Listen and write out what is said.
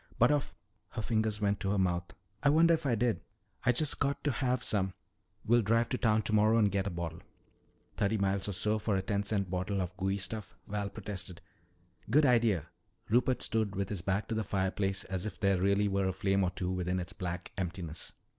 "But of " Her fingers went to her mouth. "I wonder if I did? I've just got to have some. We'll drive to town tomorrow and get a bottle." "Thirty miles or so for a ten cent bottle of gooey stuff," Val protested. "Good idea." Rupert stood with his back to the fireplace as if there really were a flame or two within its black emptiness.